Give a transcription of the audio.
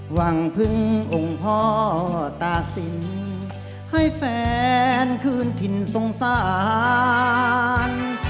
หวังพึ่งองค์พ่อตากศิลป์ให้แฟนคืนถิ่นสงสาร